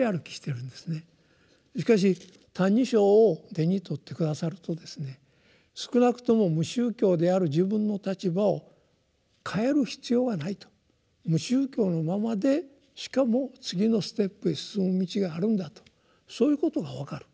しかし「歎異抄」を手に取って下さるとですね少なくとも無宗教である自分の立場を変える必要はないと無宗教のままでしかも次のステップへ進む道があるんだとそういうことが分かる。